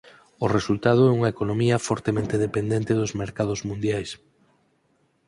O resultado é unha economía fortemente dependente dos mercados mundiais.